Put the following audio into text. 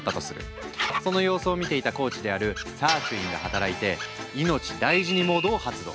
その様子を見ていたコーチであるサーチュインが働いて「いのちだいじにモード」を発動。